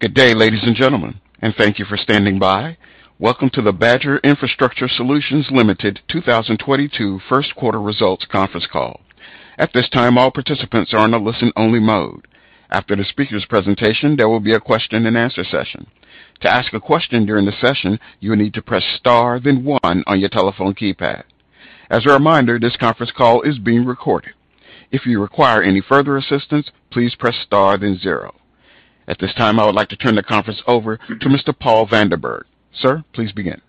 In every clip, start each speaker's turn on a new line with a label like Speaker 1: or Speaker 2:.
Speaker 1: Good day, ladies and gentlemen, and thank you for standing by. Welcome to the Badger Infrastructure Solutions Ltd. 2022 first quarter results conference call. At this time, all participants are in a listen-only mode. After the speaker's presentation, there will be a question-and-answer session. To ask a question during the session, you will need to press Star, then one on your telephone keypad. As a reminder, this conference call is being recorded. If you require any further assistance, please press star, then zero. At this time, I would like to turn the conference over to Mr. Paul Vanderberg. Sir, please begin.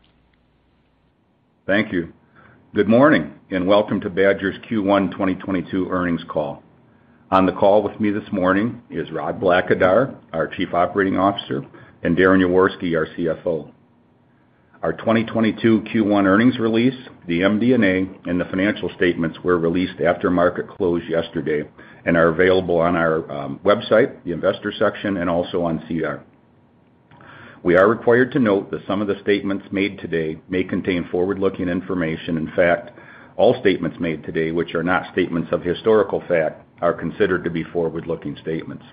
Speaker 2: Thank you. Good morning and welcome to Badger's Q1 2022 earnings call. On the call with me this morning is Rob Blackadar, our Chief Operating Officer, and Darren Yaworsky, our CFO. Our 2022 Q1 earnings release, the MD&A, and the financial statements were released after market close yesterday and are available on our website, the investor section, and also on SEDAR. We are required to note that some of the statements made today may contain forward-looking information. In fact, all statements made today, which are not statements of historical fact, are considered to be forward-looking statements.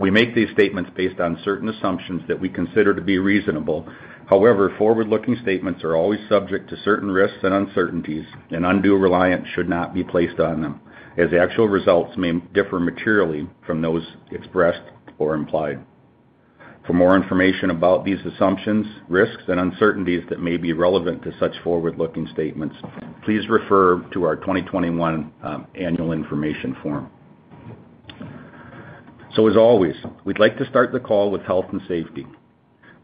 Speaker 2: We make these statements based on certain assumptions that we consider to be reasonable. However, forward-looking statements are always subject to certain risks and uncertainties, and undue reliance should not be placed on them, as actual results may differ materially from those expressed or implied. For more information about these assumptions, risks, and uncertainties that may be relevant to such forward-looking statements, please refer to our 2021 annual information form. As always, we'd like to start the call with health and safety.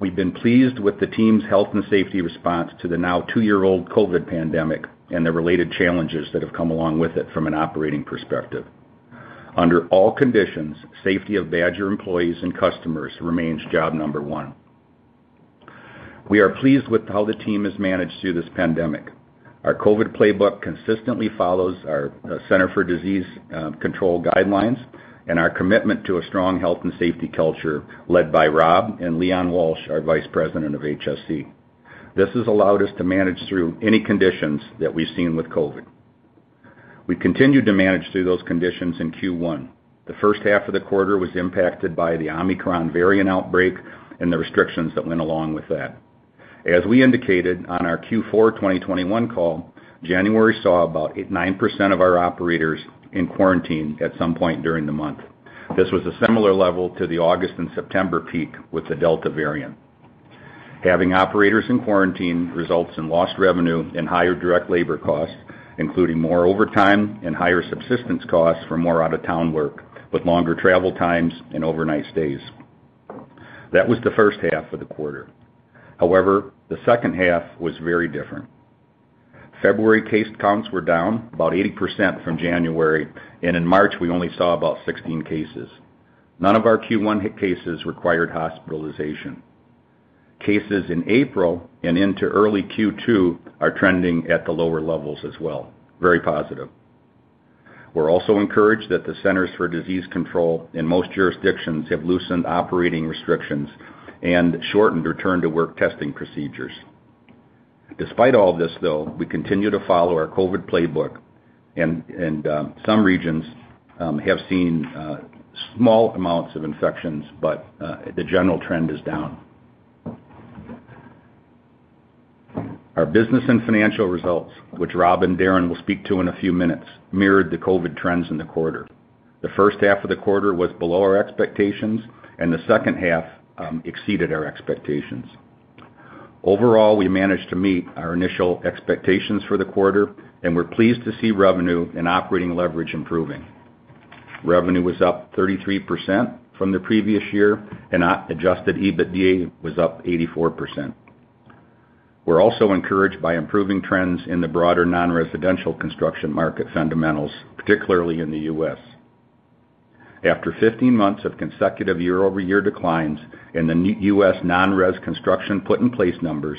Speaker 2: We've been pleased with the team's health and safety response to the now two-year-old COVID pandemic and the related challenges that have come along with it from an operating perspective. Under all conditions, safety of Badger employees and customers remains job number one. We are pleased with how the team has managed through this pandemic. Our COVID playbook consistently follows our Centers for Disease Control guidelines and our commitment to a strong health and safety culture, led by Rob and Leon Walsh, our Vice President of HSE. This has allowed us to manage through any conditions that we've seen with COVID. We continued to manage through those conditions in Q1. The first half of the quarter was impacted by the Omicron variant outbreak and the restrictions that went along with that. As we indicated on our Q4 2021 call, January saw about 8%-9% of our operators in quarantine at some point during the month. This was a similar level to the August and September peak with the Delta variant. Having operators in quarantine results in lost revenue and higher direct labor costs, including more overtime and higher subsistence costs for more out-of-town work, with longer travel times and overnight stays. That was the first half of the quarter. However, the second half was very different. February case counts were down about 80% from January, and in March, we only saw about 16 cases. None of our Q1 hit cases required hospitalization. Cases in April and into early Q2 are trending at the lower levels as well. Very positive. We're also encouraged that the Centers for Disease Control and most jurisdictions have loosened operating restrictions and shortened return-to-work testing procedures. Despite all of this, though, we continue to follow our COVID playbook and some regions have seen small amounts of infections, but the general trend is down. Our business and financial results, which Rob and Darren will speak to in a few minutes, mirrored the COVID trends in the quarter. The first half of the quarter was below our expectations, and the second half exceeded our expectations. Overall, we managed to meet our initial expectations for the quarter, and we're pleased to see revenue and operating leverage improving. Revenue was up 33% from the previous year, and adjusted EBITDA was up 84%.
Speaker 3: We're also encouraged by improving trends in the broader non-residential construction market fundamentals, particularly in the U.S.. After 15 months of consecutive year-over-year declines in the non-U.S. non-residential construction put-in-place numbers,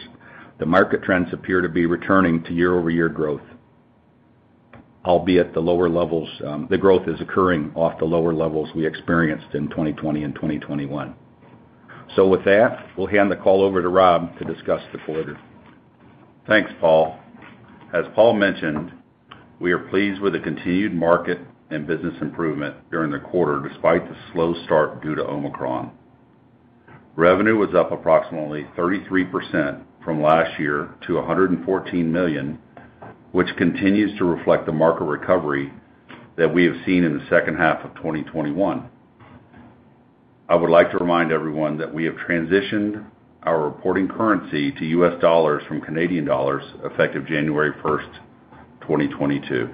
Speaker 3: the market trends appear to be returning to year-over-year growth, albeit the lower levels. The growth is occurring off the lower levels we experienced in 2020 and 2021. With that, we'll hand the call over to Rob to discuss the quarter. Thanks, Paul. As Paul mentioned, we are pleased with the continued market and business improvement during the quarter, despite the slow start due to Omicron. Revenue was up approximately 33% from last year to $114 million, which continues to reflect the market recovery that we have seen in the second half of 2021. I would like to remind everyone that we have transitioned our reporting currency to U.S. dollars from Canadian dollars, effective January 1, 2022.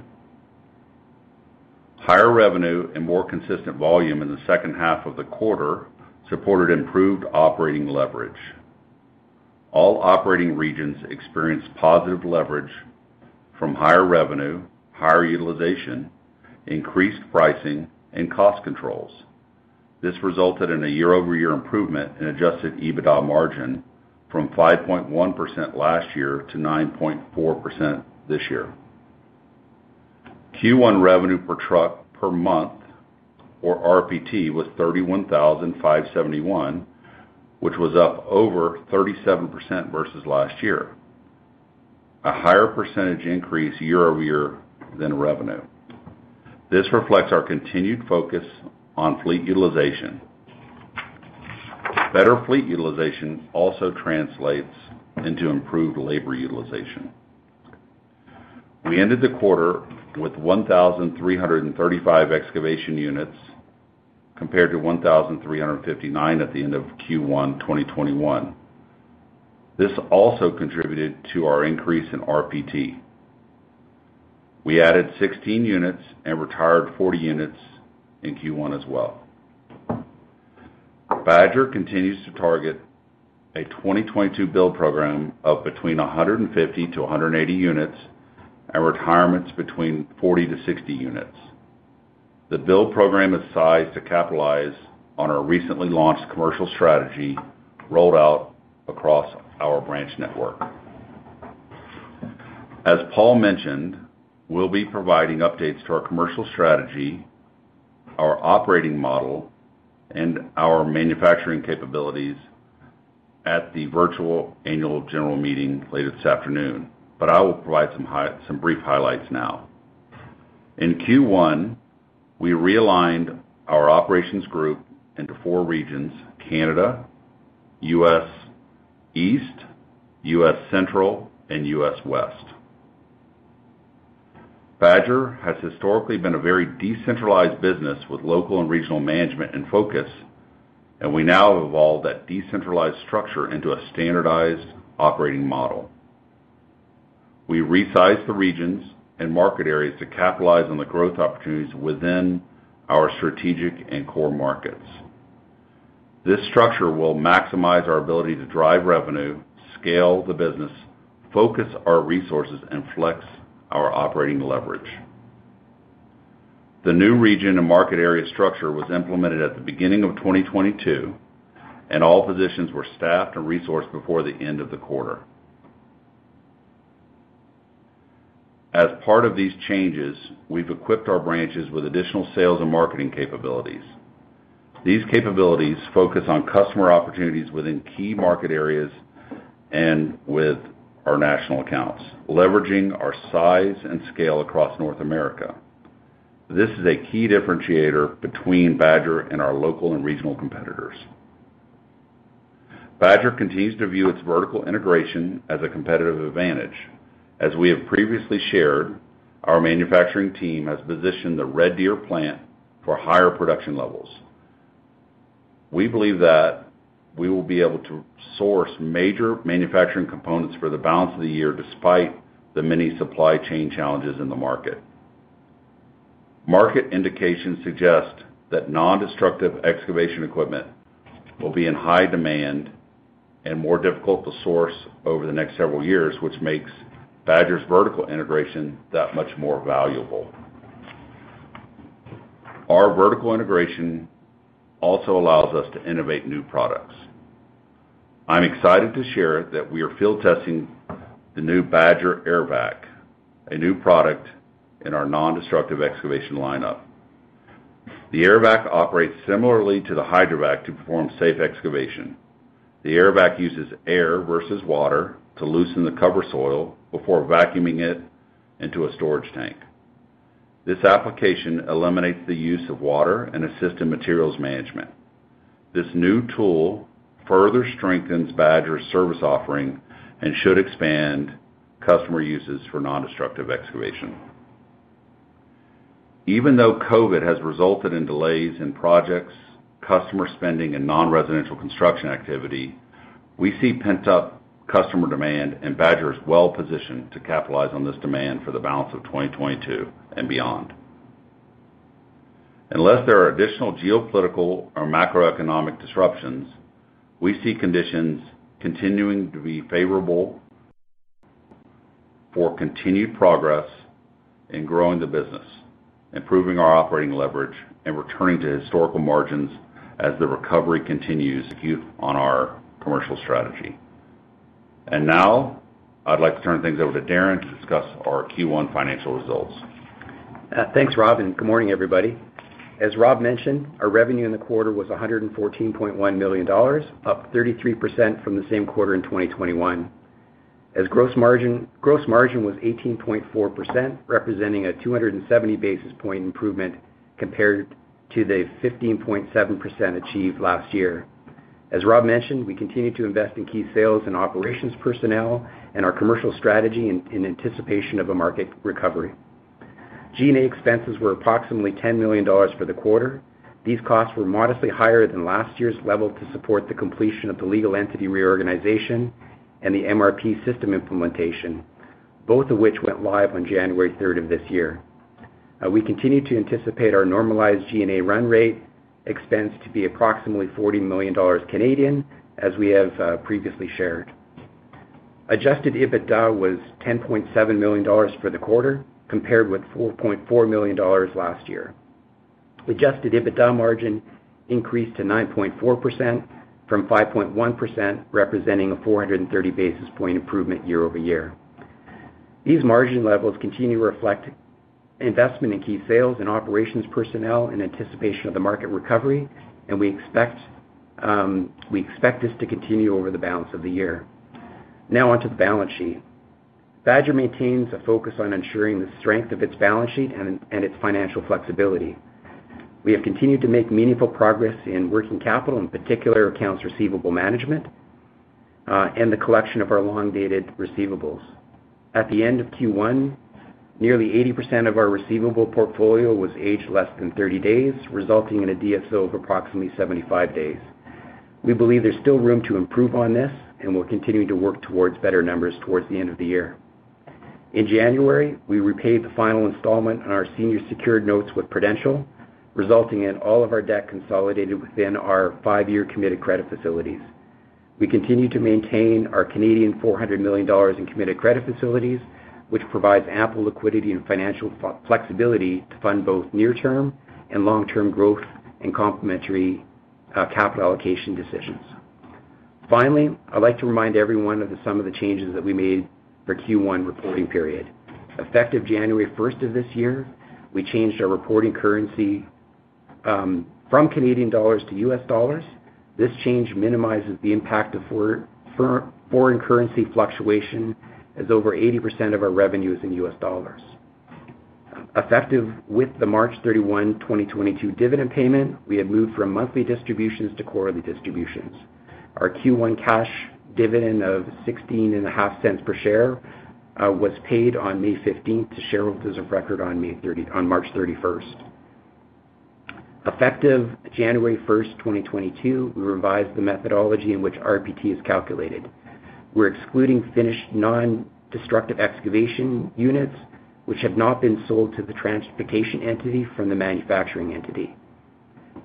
Speaker 3: Higher revenue and more consistent volume in the second half of the quarter supported improved operating leverage. All operating regions experienced positive leverage from higher revenue, higher utilization, increased pricing, and cost controls. This resulted in a year-over-year improvement in adjusted EBITDA margin from 5.1% last year to 9.4% this year. Q1 revenue per truck per month, or RPT, was $31,571, which was up over 37% versus last year. A higher percentage increase year-over-year than revenue. This reflects our continued focus on fleet utilization. Better fleet utilization also translates into improved labor utilization. We ended the quarter with 1,335 excavation units, compared to 1,359 at the end of Q1 2021. This also contributed to our increase in RPT. We added 16 units and retired 40 units in Q1 as well. Badger continues to target a 2022 build program of between 150-180 units, and retirements between 40-60 units. The build program is sized to capitalize on our recently launched commercial strategy rolled out across our branch network. As Paul mentioned, we'll be providing updates to our commercial strategy, our operating model, and our manufacturing capabilities at the virtual annual general meeting later this afternoon. I will provide some brief highlights now. In Q1, we realigned our operations group into four regions, Canada, U.S. East, U.S. Central, and U.S. West. Badger has historically been a very decentralized business with local and regional management and focus, and we now have evolved that decentralized structure into a standardized operating model. We resized the regions and market areas to capitalize on the growth opportunities within our strategic and core markets. This structure will maximize our ability to drive revenue, scale the business, focus our resources, and flex our operating leverage. The new region and market area structure was implemented at the beginning of 2022, and all positions were staffed and resourced before the end of the quarter. As part of these changes, we've equipped our branches with additional sales and marketing capabilities. These capabilities focus on customer opportunities within key market areas and with our national accounts, leveraging our size and scale across North America. This is a key differentiator between Badger and our local and regional competitors. Badger continues to view its vertical integration as a competitive advantage. As we have previously shared, our manufacturing team has positioned the Red Deer plant for higher production levels. We believe that we will be able to source major manufacturing components for the balance of the year despite the many supply chain challenges in the market. Market indications suggest that nondestructive excavation equipment will be in high demand and more difficult to source over the next several years, which makes Badger's vertical integration that much more valuable. Our vertical integration also allows us to innovate new products. I'm excited to share that we are field testing the new Badger Airvac, a new product in our nondestructive excavation lineup. The Airvac operates similarly to the Hydrovac to perform safe excavation. The Airvac uses air versus water to loosen the cover soil before vacuuming it into a storage tank. This application eliminates the use of water and assists in materials management. This new tool further strengthens Badger's service offering and should expand customer uses for nondestructive excavation. Even though COVID has resulted in delays in projects, customer spending, and non-residential construction activity, we see pent-up customer demand, and Badger is well positioned to capitalize on this demand for the balance of 2022 and beyond. Unless there are additional geopolitical or macroeconomic disruptions, we see conditions continuing to be favorable for continued progress in growing the business, improving our operating leverage, and returning to historical margins as the recovery continues to execute on our commercial strategy. Now, I'd like to turn things over to Darren to discuss our Q1 financial results.
Speaker 4: Thanks, Rob, and good morning, everybody. As Rob mentioned, our revenue in the quarter was $114.1 million, up 33% from the same quarter in 2021. Our gross margin was 18.4%, representing a 270 basis point improvement compared to the 15.7% achieved last year. As Rob mentioned, we continue to invest in key sales and operations personnel and our commercial strategy in anticipation of a market recovery. G&A expenses were approximately $10 million for the quarter. These costs were modestly higher than last year's level to support the completion of the legal entity reorganization and the MRP system implementation, both of which went live on January 3 of this year. We continue to anticipate our normalized G&A run rate expense to be approximately 40 million Canadian dollars, as we have previously shared. Adjusted EBITDA was 10.7 million dollars for the quarter, compared with 4.4 million dollars last year. Adjusted EBITDA margin increased to 9.4% from 5.1%, representing a 430 basis point improvement year-over-year. These margin levels continue to reflect investment in key sales and operations personnel in anticipation of the market recovery, and we expect this to continue over the balance of the year. Now onto the balance sheet. Badger maintains a focus on ensuring the strength of its balance sheet and its financial flexibility. We have continued to make meaningful progress in working capital, in particular accounts receivable management, and the collection of our long-dated receivables. At the end of Q1, nearly 80% of our receivable portfolio was aged less than 30 days, resulting in a DSO of approximately 75 days. We believe there's still room to improve on this, and we're continuing to work towards better numbers towards the end of the year. In January, we repaid the final installment on our senior secured notes with Prudential, resulting in all of our debt consolidated within our five-year committed credit facilities. We continue to maintain our Canadian 400 million Canadian dollars in committed credit facilities, which provides ample liquidity and financial flexibility to fund both near-term and long-term growth and complementary capital allocation decisions. Finally, I'd like to remind everyone of some of the changes that we made for Q1 reporting period. Effective January 1 of this year, we changed our reporting currency from Canadian dollars to U.S. dollars. This change minimizes the impact of foreign currency fluctuation as over 80% of our revenue is in U.S. dollars. Effective with the March 31, 2022 dividend payment, we have moved from monthly distributions to quarterly distributions. Our Q1 cash dividend of $0.165 per share was paid on May 15 to shareholders of record on March 31. Effective January 1, 2022, we revised the methodology in which RPT is calculated. We're excluding finished nondestructive excavation units which have not been sold to the transportation entity from the manufacturing entity.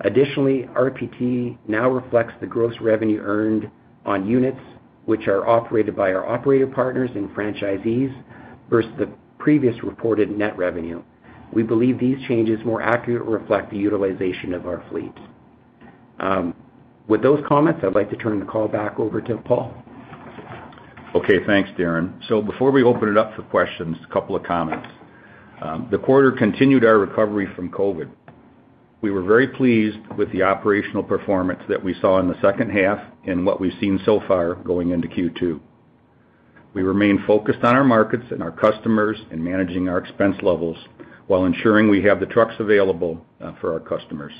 Speaker 4: Additionally, RPT now reflects the gross revenue earned on units which are operated by our operator partners and franchisees versus the previous reported net revenue. We believe these changes more accurately reflect the utilization of our fleets. With those comments, I'd like to turn the call back over to Paul.
Speaker 2: Okay, thanks, Darren. Before we open it up for questions, a couple of comments. The quarter continued our recovery from COVID. We were very pleased with the operational performance that we saw in the second half and what we've seen so far going into Q2. We remain focused on our markets and our customers and managing our expense levels while ensuring we have the trucks available for our customers.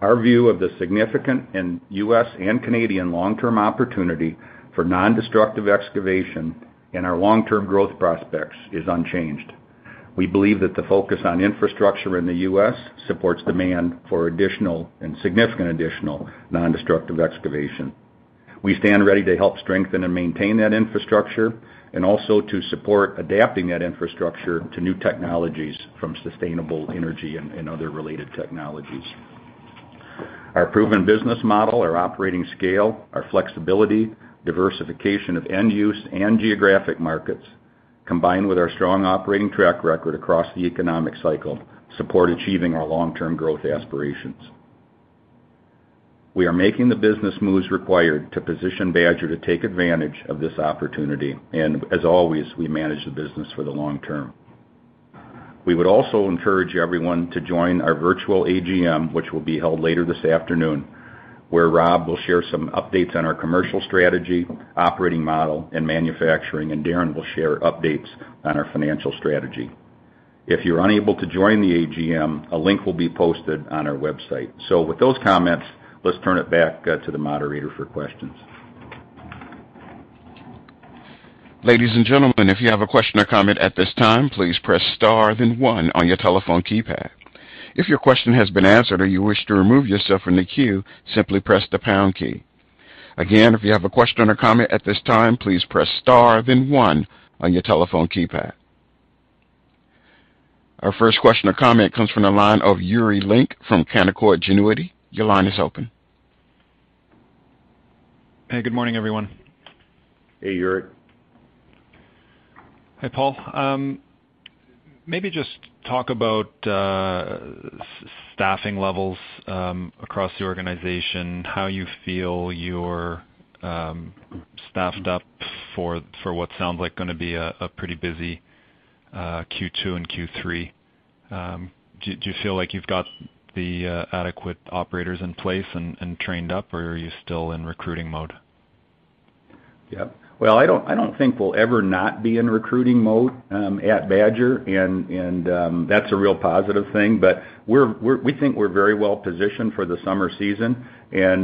Speaker 2: Our view of the significant U.S. and Canadian long-term opportunity for non-destructive excavation and our long-term growth prospects is unchanged. We believe that the focus on infrastructure in the U.S. supports demand for additional and significant additional non-destructive excavation. We stand ready to help strengthen and maintain that infrastructure and also to support adapting that infrastructure to new technologies from sustainable energy and other related technologies. Our proven business model, our operating scale, our flexibility, diversification of end use and geographic markets, combined with our strong operating track record across the economic cycle, support achieving our long-term growth aspirations. We are making the business moves required to position Badger to take advantage of this opportunity, and as always, we manage the business for the long term. We would also encourage everyone to join our virtual AGM, which will be held later this afternoon, where Rob will share some updates on our commercial strategy, operating model, and manufacturing, and Darren will share updates on our financial strategy. If you're unable to join the AGM, a link will be posted on our website. With those comments, let's turn it back to the moderator for questions.
Speaker 1: Ladies and gentlemen, if you have a question or comment at this time, please press star then one on your telephone keypad. If your question has been answered or you wish to remove yourself from the queue, simply press the pound key. Again, if you have a question or comment at this time, please press star then one on your telephone keypad. Our first question or comment comes from the line of Yuri Lynk from Canaccord Genuity. Your line is open.
Speaker 5: Hey, good morning, everyone.
Speaker 2: Hey, Yuri.
Speaker 5: Hi, Paul. Maybe just talk about staffing levels across the organization, how you feel you're staffed up for what sounds like gonna be a pretty busy Q2 and Q3? Do you feel like you've got the adequate operators in place and trained up, or are you still in recruiting mode?
Speaker 2: Yep. Well, I don't think we'll ever not be in recruiting mode at Badger and that's a real positive thing. We think we're very well positioned for the summer season. You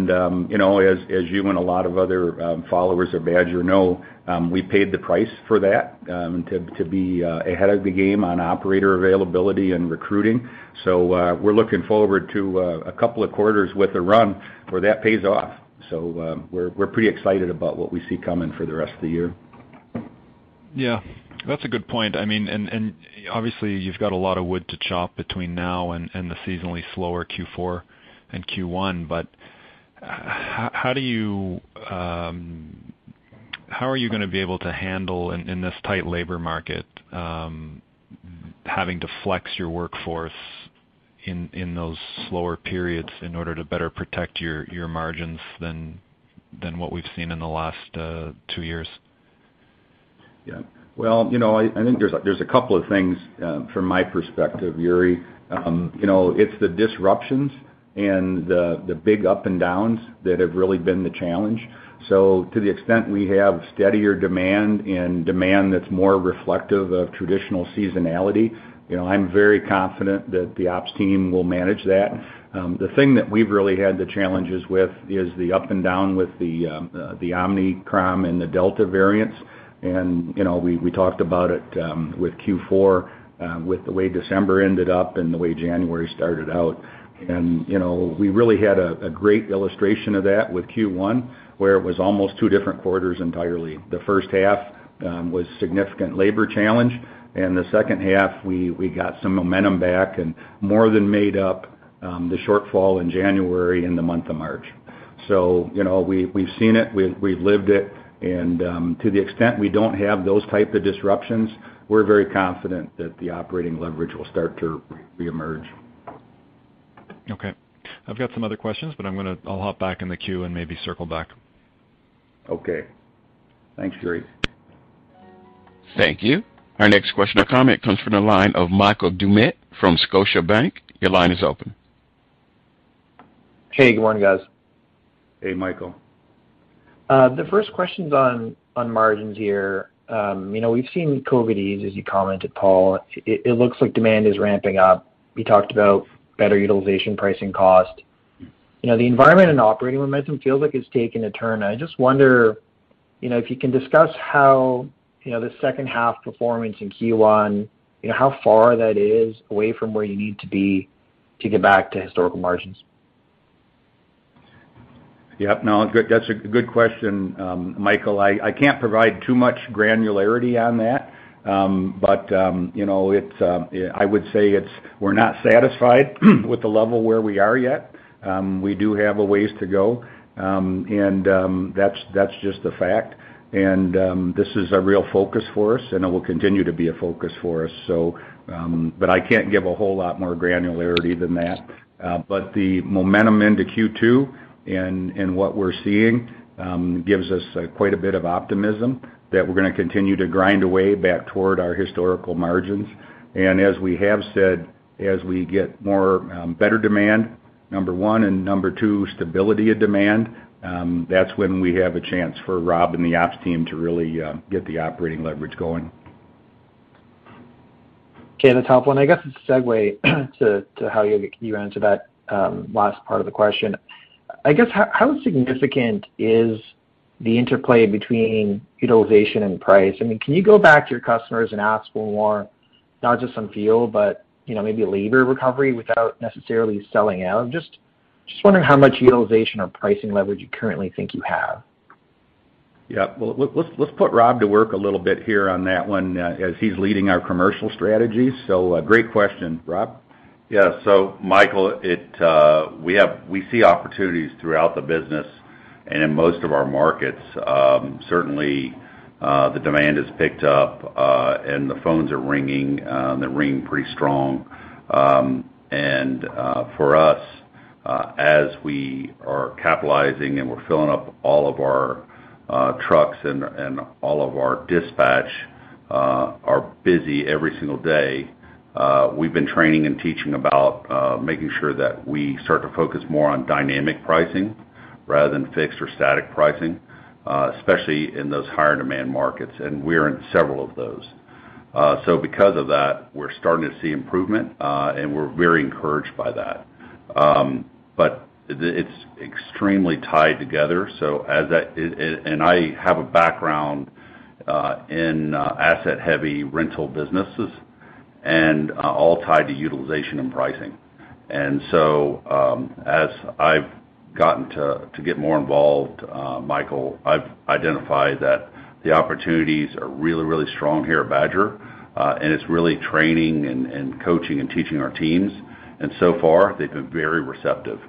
Speaker 2: know, as you and a lot of other followers of Badger know, we paid the price for that to be ahead of the game on operator availability and recruiting. We're looking forward to a couple of quarters with a run where that pays off. We're pretty excited about what we see coming for the rest of the year.
Speaker 5: Yeah. That's a good point. I mean, obviously, you've got a lot of wood to chop between now and the seasonally slower Q4 and Q1. How are you gonna be able to handle in this tight labor market having to flex your workforce in those slower periods in order to better protect your margins than what we've seen in the last two years?
Speaker 2: Yeah. Well, you know, I think there's a couple of things from my perspective, Yuri. You know, it's the disruptions and the big up and downs that have really been the challenge. To the extent we have steadier demand and demand that's more reflective of traditional seasonality, you know, I'm very confident that the ops team will manage that. The thing that we've really had the challenges with is the up and down with the Omicron and the Delta variants. You know, we talked about it with Q4, with the way December ended up and the way January started out. You know, we really had a great illustration of that with Q1, where it was almost two different quarters entirely. The first half was significant labor challenge, and the second half we got some momentum back and more than made up the shortfall in January in the month of March. You know, we've seen it, we've lived it. To the extent we don't have those type of disruptions, we're very confident that the operating leverage will start to reemerge.
Speaker 5: Okay. I've got some other questions, but I'll hop back in the queue and maybe circle back.
Speaker 2: Okay. Thanks, Yuri.
Speaker 1: Thank you. Our next question or comment comes from the line of Michael Doumet from Scotiabank. Your line is open.
Speaker 6: Hey, good morning, guys.
Speaker 2: Hey, Michael.
Speaker 6: The first question's on margins here. You know, we've seen COVID ease as you commented, Paul. It looks like demand is ramping up. You talked about better utilization pricing cost. You know, the environment and operating momentum feels like it's taking a turn. I just wonder, you know, if you can discuss how, you know, the second half performance in Q1, you know, how far that is away from where you need to be to get back to historical margins?
Speaker 2: Yeah. No, that's a good question, Michael. I can't provide too much granularity on that. You know, I would say we're not satisfied with the level where we are yet. We do have a ways to go. That's just the fact. This is a real focus for us, and it will continue to be a focus for us. I can't give a whole lot more granularity than that. The momentum into Q2 and what we're seeing gives us quite a bit of optimism that we're gonna continue to grind away back toward our historical margins. As we have said, as we get more better demand, number one, and number two, stability of demand, that's when we have a chance for Rob and the ops team to really get the operating leverage going.
Speaker 6: Okay. That's helpful. I guess to segue to how you answered that last part of the question. How significant is the interplay between utilization and price? I mean, can you go back to your customers and ask for more, not just some fuel but, you know, maybe labor recovery without necessarily selling out? I'm just wondering how much utilization or pricing leverage you currently think you have?
Speaker 2: Yeah. Well, let's put Rob to work a little bit here on that one, as he's leading our commercial strategy. Great question. Rob?
Speaker 3: Yeah. Michael, we see opportunities throughout the business and in most of our markets. Certainly, the demand has picked up, and the phones are ringing, they're ringing pretty strong. For us, as we are capitalizing and we're filling up all of our trucks and all of our dispatch are busy every single day, we've been training and teaching about making sure that we start to focus more on dynamic pricing rather than fixed or static pricing, especially in those higher demand markets, and we're in several of those. Because of that, we're starting to see improvement, and we're very encouraged by that. But it's extremely tied together. As that. I have a background in asset-heavy rental businesses and all tied to utilization and pricing. As I've gotten to get more involved, Michael, I've identified that the opportunities are really strong here at Badger, and it's really training and coaching and teaching our teams. So far, they've been very receptive.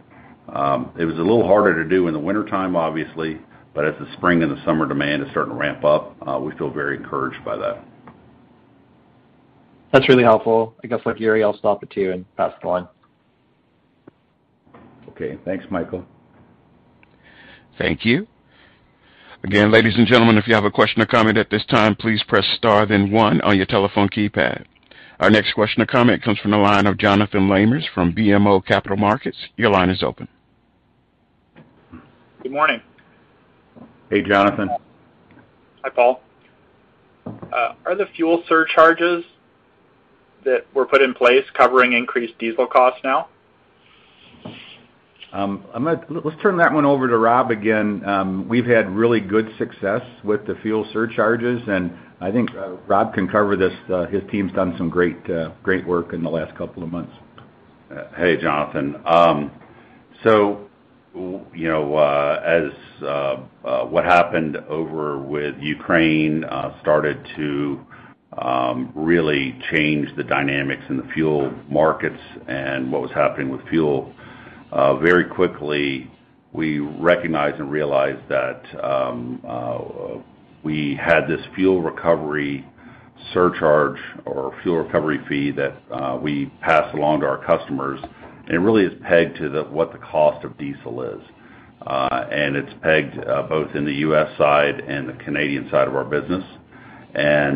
Speaker 3: It was a little harder to do in the wintertime, obviously, but as the spring and the summer demand is starting to ramp up, we feel very encouraged by that.
Speaker 6: That's really helpful. I guess, like Yuri, I'll toss it to you and pass it on.
Speaker 2: Okay. Thanks, Michael.
Speaker 1: Thank you. Again, ladies and gentlemen, if you have a question or comment at this time, please press star then one on your telephone keypad. Our next question or comment comes from the line of Jonathan Lamers from BMO Capital Markets. Your line is open.
Speaker 7: Good morning.
Speaker 2: Hey, Jonathan.
Speaker 5: Hi, Paul. Are the fuel surcharges that were put in place covering increased diesel costs now?
Speaker 2: Let's turn that one over to Rob again. We've had really good success with the fuel surcharges, and I think Rob can cover this. His team's done some great work in the last couple of months.
Speaker 3: Hey, Jonathan. You know, as what happened over with Ukraine started to really change the dynamics in the fuel markets and what was happening with fuel very quickly. We recognize and realize that we had this fuel recovery surcharge or fuel recovery fee that we pass along to our customers. It really is pegged to the cost of diesel. It's pegged both in the U.S. side and the Canadian side of our business. As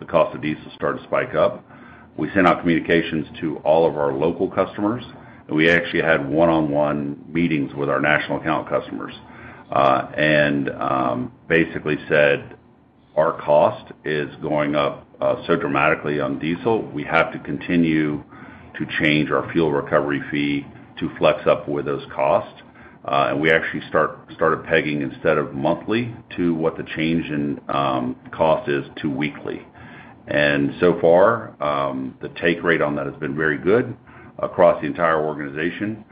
Speaker 3: the cost of diesel started to spike up, we actually sent out communications to all of our local customers, and we actually had one-on-one meetings with our national account customers. We basically said, our cost is going up so dramatically on diesel. We have to continue to change our fuel recovery fee to flex up with those costs. We actually started pegging, instead of monthly, to what the change in cost is to weekly. So far, the take rate on that has been very good across the entire organization.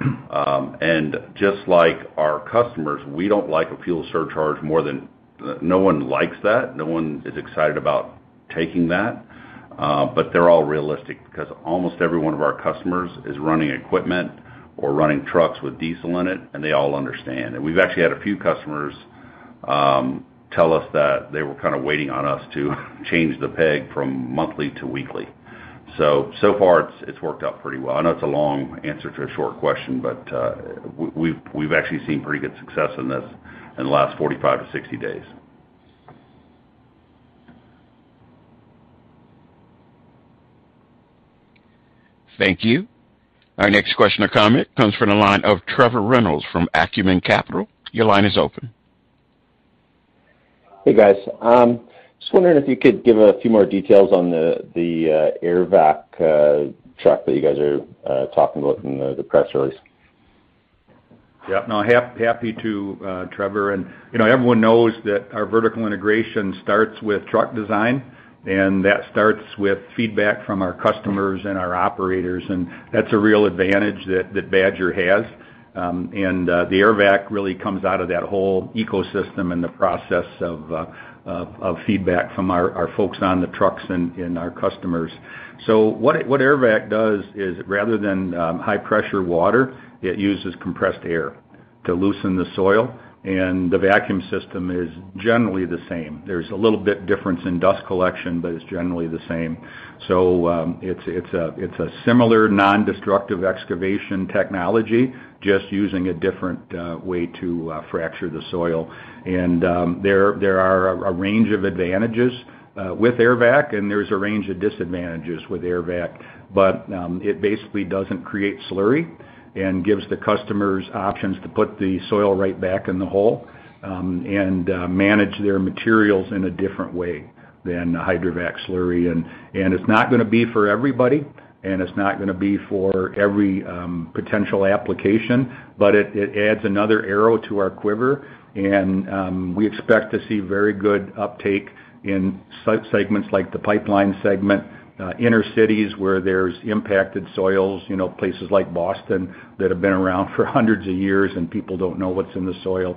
Speaker 3: Just like our customers, we don't like a fuel surcharge more than no one likes that. No one is excited about taking that, but they're all realistic because almost every one of our customers is running equipment or running trucks with diesel in it, and they all understand. We've actually had a few customers tell us that they were kind of waiting on us to change the peg from monthly to weekly. So far it's worked out pretty well. I know it's a long answer to a short question, but we've actually seen pretty good success in this in the last 45-60 days.
Speaker 1: Thank you. Our next question or comment comes from the line of Trevor Reynolds from Acumen Capital. Your line is open.
Speaker 8: Hey, guys. Just wondering if you could give a few more details on the Airvac truck that you guys are talking about in the press release.
Speaker 2: Yeah. No. Happy to Trevor. You know, everyone knows that our vertical integration starts with truck design, and that starts with feedback from our customers and our operators, and that's a real advantage that Badger has. The Airvac really comes out of that whole ecosystem and the process of feedback from our folks on the trucks and our customers. What Airvac does is rather than high pressure water, it uses compressed air to loosen the soil, and the vacuum system is generally the same. There's a little bit difference in dust collection, but it's generally the same. It's a similar nondestructive excavation technology, just using a different way to fracture the soil. There are a range of advantages with Airvac, and there's a range of disadvantages with Airvac. It basically doesn't create slurry and gives the customers options to put the soil right back in the hole, and manage their materials in a different way than the Hydrovac slurry. It's not gonna be for everybody, and it's not gonna be for every potential application, but it adds another arrow to our quiver. We expect to see very good uptake in segments like the pipeline segment, inner cities where there's impacted soils, you know, places like Boston that have been around for hundreds of years and people don't know what's in the soil.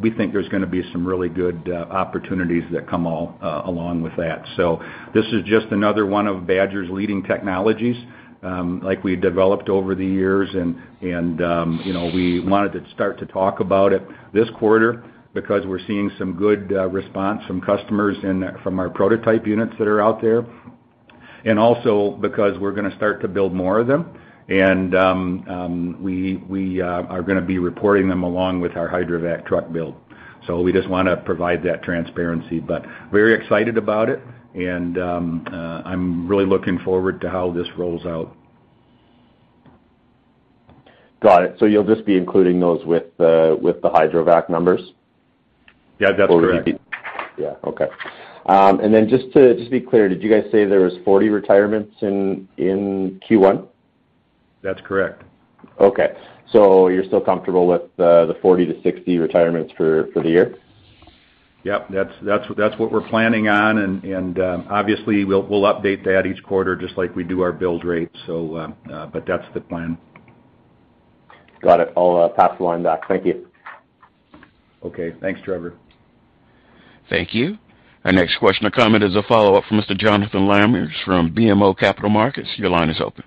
Speaker 2: We think there's gonna be some really good opportunities that come along with that. This is just another one of Badger's leading technologies, like we developed over the years, you know, we wanted to start to talk about it this quarter because we're seeing some good response from customers and from our prototype units that are out there, also because we're gonna start to build more of them. We are gonna be reporting them along with our Hydrovac truck build. We just wanna provide that transparency. Very excited about it, and I'm really looking forward to how this rolls out.
Speaker 8: Got it. You'll just be including those with the Hydrovac numbers?
Speaker 2: Yeah, that's correct.
Speaker 8: Yeah. Okay. Just to be clear, did you guys say there was 40 retirements in Q1?
Speaker 2: That's correct.
Speaker 8: Okay. You're still comfortable with the 40-60 retirements for the year?
Speaker 2: Yep. That's what we're planning on. Obviously, we'll update that each quarter just like we do our build rate. That's the plan.
Speaker 8: Got it. I'll pass the line back. Thank you.
Speaker 2: Okay. Thanks, Trevor.
Speaker 1: Thank you. Our next question or comment is a follow-up from Mr. Jonathan Lamers from BMO Capital Markets. Your line is open.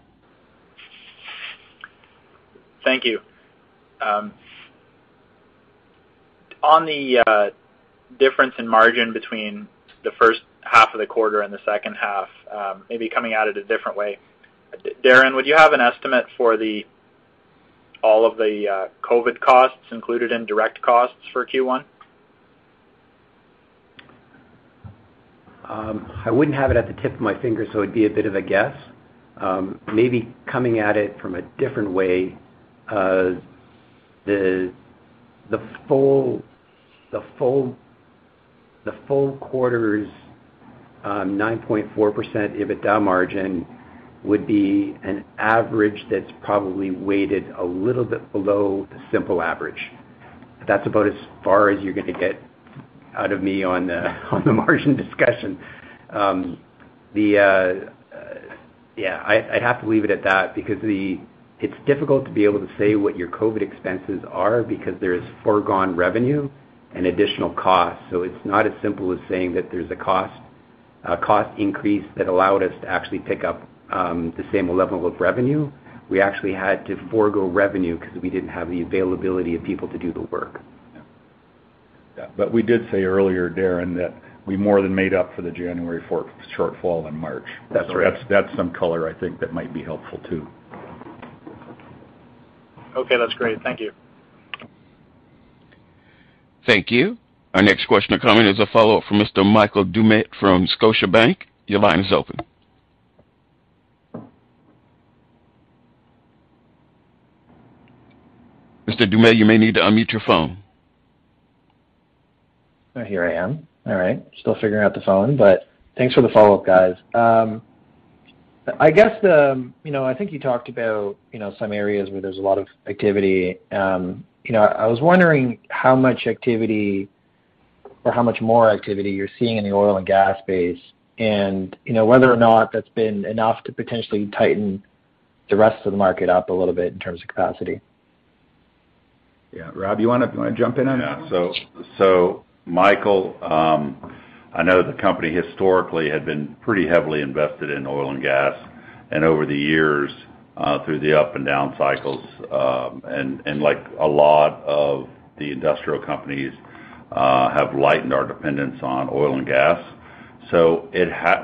Speaker 7: Thank you. On the difference in margin between the first half of the quarter and the second half, maybe coming at it a different way. Darren, would you have an estimate for all of the COVID costs included in direct costs for Q1?
Speaker 4: I wouldn't have it at the tip of my finger, so it'd be a bit of a guess. Maybe coming at it from a different way. The full quarter's 9.4% EBITDA margin would be an average that's probably weighted a little bit below the simple average. That's about as far as you're gonna get out of me on the margin discussion. I'd have to leave it at that because it's difficult to be able to say what your COVID expenses are because there's foregone revenue and additional costs. It's not as simple as saying that there's a cost increase that allowed us to actually pick up the same level of revenue. We actually had to forego revenue because we didn't have the availability of people to do the work.
Speaker 3: Yeah. We did say earlier, Darren, that we more than made up for the January fourth shortfall in March.
Speaker 4: That's right.
Speaker 3: That's some color I think that might be helpful too.
Speaker 7: Okay, that's great. Thank you.
Speaker 1: Thank you. Our next question or comment is a follow-up from Mr. Michael Doumet from Scotiabank. Your line is open. Mr. Doumet, you may need to unmute your phone.
Speaker 6: Oh, here I am. All right. Still figuring out the phone, but thanks for the follow-up, guys. I guess, you know, I think you talked about, you know, some areas where there's a lot of activity? You know, I was wondering how much activity or how much more activity you're seeing in the oil and gas space, and, you know, whether or not that's been enough to potentially tighten the rest of the market up a little bit in terms of capacity?
Speaker 4: Yeah, Rob, you wanna jump in on that one?
Speaker 3: Yeah. Michael, I know the company historically had been pretty heavily invested in oil and gas, and over the years, through the up and down cycles, and like a lot of the industrial companies, have lightened our dependence on oil and gas.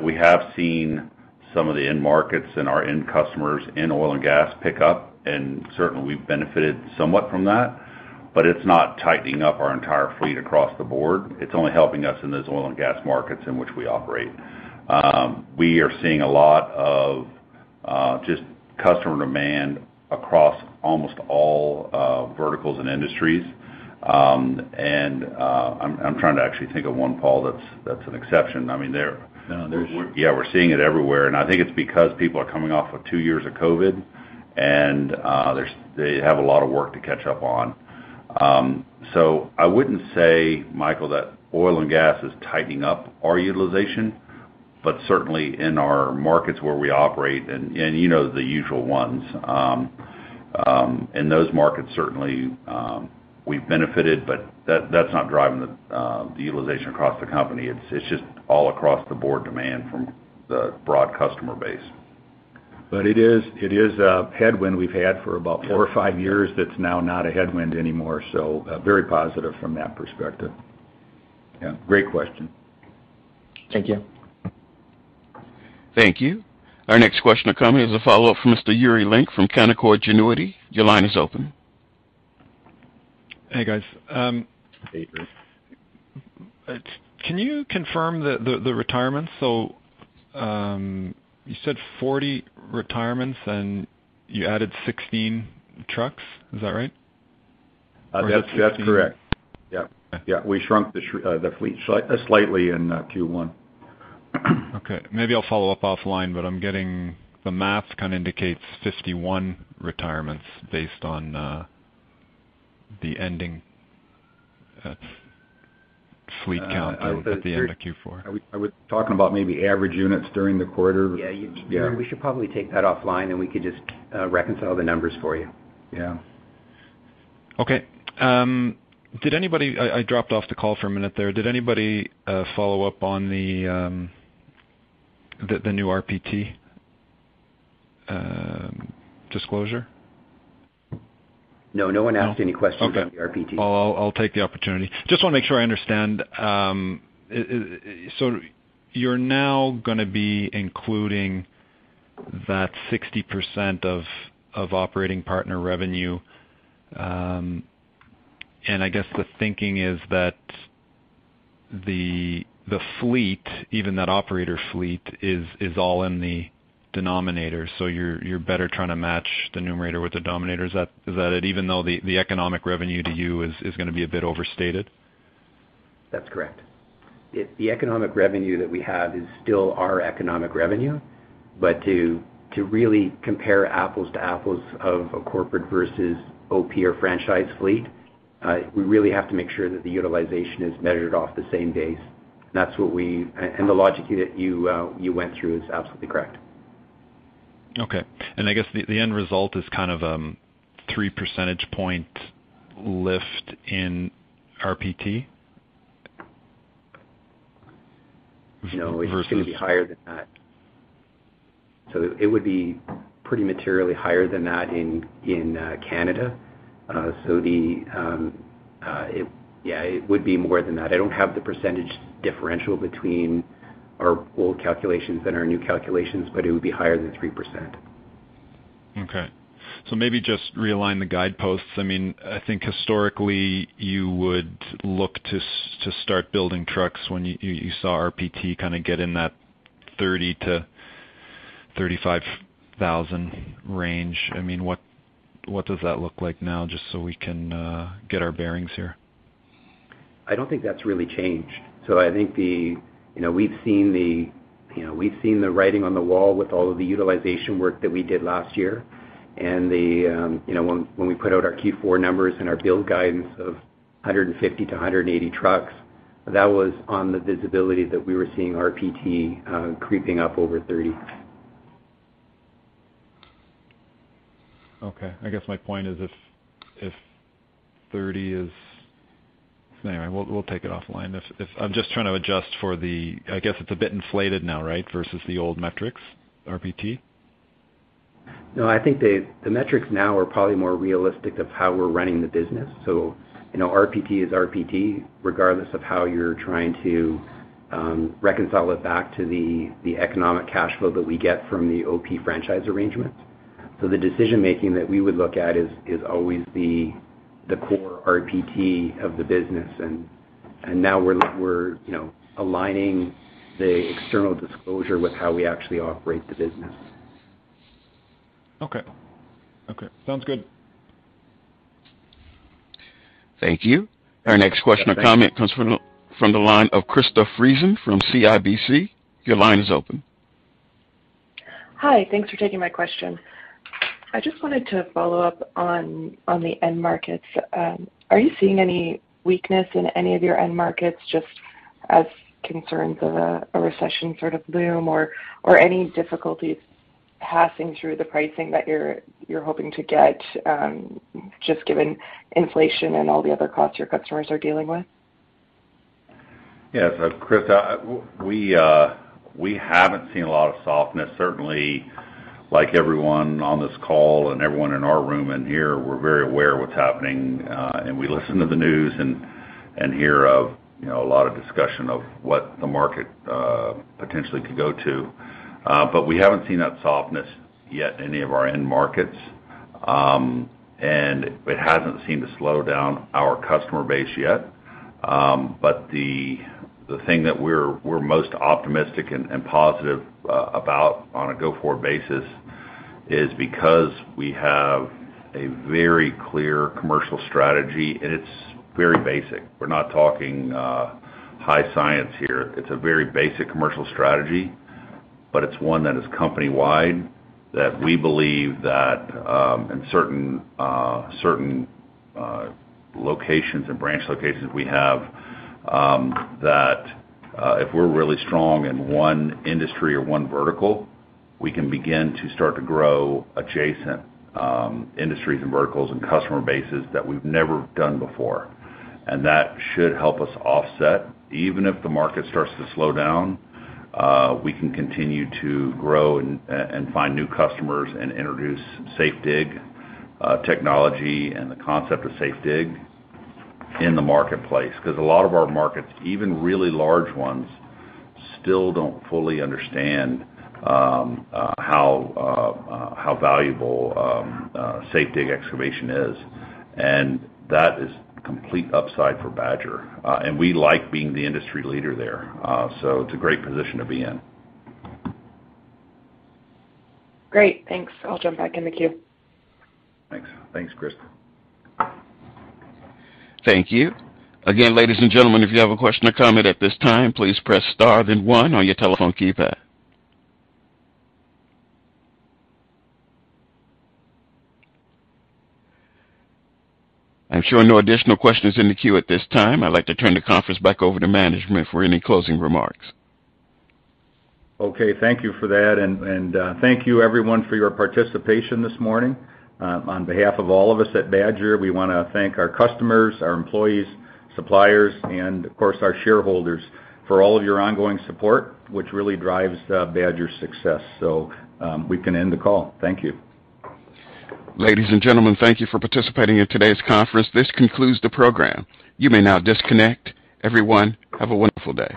Speaker 3: We have seen some of the end markets and our end customers in oil and gas pick up, and certainly we've benefited somewhat from that, but it's not tightening up our entire fleet across the board. It's only helping us in those oil and gas markets in which we operate. We are seeing a lot of just customer demand across almost all verticals and industries. I'm trying to actually think of one, Paul, that's an exception. I mean, there-
Speaker 4: No, there's-
Speaker 3: Yeah, we're seeing it everywhere, and I think it's because people are coming off of two years of COVID, and they have a lot of work to catch up on. I wouldn't say, Michael, that oil and gas is tightening up our utilization, but certainly in our markets where we operate and you know the usual ones, in those markets, certainly we've benefited, but that's not driving the utilization across the company. It's just all across the board demand from the broad customer base.
Speaker 4: It is a headwind we've had for about four or five years that's now not a headwind anymore, so very positive from that perspective.
Speaker 3: Yeah. Great question.
Speaker 6: Thank you.
Speaker 1: Thank you. Our next question or comment is a follow-up from Mr. Yuri Lynk from Canaccord Genuity. Your line is open.
Speaker 5: Hey, guys.
Speaker 3: Hey, Yuri.
Speaker 5: Can you confirm the retirement? You said 40 retirements, and you added 16 trucks. Is that right?
Speaker 3: That's correct. Yeah.
Speaker 5: Okay.
Speaker 3: Yeah, we shrunk the fleet slightly in Q1.
Speaker 5: Okay. Maybe I'll follow up offline, but I'm getting the math kind of indicates 51 retirements based on the ending fleet count at the end of Q4.
Speaker 3: I was talking about maybe average units during the quarter.
Speaker 4: Yeah.
Speaker 3: Yeah.
Speaker 4: Yuri, we should probably take that offline, and we could just reconcile the numbers for you.
Speaker 3: Yeah.
Speaker 5: Okay. I dropped off the call for a minute there. Did anybody follow up on the new RPT disclosure?
Speaker 4: No, no one asked any questions on the RPT.
Speaker 5: Okay. Well, I'll take the opportunity. Just wanna make sure I understand. You're now gonna be including that 60% of operating partner revenue. I guess the thinking is that the fleet, even that operator fleet, is all in the denominator. You're better trying to match the numerator with the denominator. Is that it, even though the economic revenue to you is gonna be a bit overstated?
Speaker 4: That's correct. The economic revenue that we have is still our economic revenue, but to really compare apples to apples of a corporate versus OP or franchise fleet, we really have to make sure that the utilization is measured off the same base. The logic that you went through is absolutely correct.
Speaker 5: I guess the end result is kind of 3% point lift in RPT?
Speaker 4: No.
Speaker 5: Versus-
Speaker 4: It's gonna be higher than that. It would be pretty materially higher than that in Canada. Yeah, it would be more than that. I don't have the percentage differential between our old calculations and our new calculations, but it would be higher than 3%.
Speaker 5: Okay. Maybe just realign the guideposts. I mean, I think historically you would look to start building trucks when you saw RPT kind a get in that 30-35,000 range. I mean, what does that look like now, just so we can get our bearings here?
Speaker 4: I don't think that's really changed. I think we've seen the writing on the wall with all of the utilization work that we did last year and the, you know, when we put out our Q4 numbers and our build guidance of 150-180 trucks. That was on the visibility that we were seeing RPT creeping up over 30.
Speaker 5: Okay. I guess my point is. Anyway, we'll take it offline. I guess it's a bit inflated now, right, versus the old metrics, RPT?
Speaker 4: No, I think the metrics now are probably more realistic of how we're running the business. You know, RPT is RPT, regardless of how you're trying to reconcile it back to the economic cash flow that we get from the OP franchise arrangements. The decision-making that we would look at is always the core RPT of the business. Now we're, you know, aligning the external disclosure with how we actually operate the business.
Speaker 5: Okay. Sounds good.
Speaker 1: Thank you. Our next question or comment comes from the line of Krista Friesen from CIBC. Your line is open.
Speaker 9: Hi. Thanks for taking my question. I just wanted to follow up on the end markets. Are you seeing any weakness in any of your end markets just as concerns of a recession sort of loom or any difficulties passing through the pricing that you're hoping to get, just given inflation and all the other costs your customers are dealing with?
Speaker 3: Yes. Krista, we haven't seen a lot of softness. Certainly like everyone on this call and everyone in our room in here, we're very aware of what's happening, and we listen to the news and hear of, you know, a lot of discussion of what the market potentially could go to. We haven't seen that softness yet in any of our end markets. It hasn't seemed to slow down our customer base yet. The thing that we're most optimistic and positive about on a go-forward basis is because we have a very clear commercial strategy and it's very basic. We're not talking high science here. It's a very basic commercial strategy, but it's one that is company-wide, that we believe that in certain locations and branch locations we have, that if we're really strong in one industry or one vertical, we can begin to start to grow adjacent industries and verticals and customer bases that we've never done before. That should help us offset. Even if the market starts to slow down, we can continue to grow and find new customers and introduce safe dig technology and the concept of safe dig in the marketplace. 'Cause a lot of our markets, even really large ones, still don't fully understand how valuable safe dig excavation is. That is complete upside for Badger. We like being the industry leader there. It's a great position to be in.
Speaker 9: Great. Thanks. I'll jump back in the queue.
Speaker 3: Thanks. Thanks, Krista.
Speaker 1: Thank you. Again, ladies and gentlemen, if you have a question or comment at this time, please press star then one on your telephone keypad. I'm showing no additional questions in the queue at this time. I'd like to turn the conference back over to management for any closing remarks.
Speaker 3: Okay. Thank you for that. Thank you everyone for your participation this morning. On behalf of all of us at Badger, we wanna thank our customers, our employees, suppliers, and of course, our shareholders for all of your ongoing support, which really drives Badger's success. We can end the call. Thank you.
Speaker 1: Ladies and gentlemen, thank you for participating in today's conference. This concludes the program. You may now disconnect. Everyone, have a wonderful day.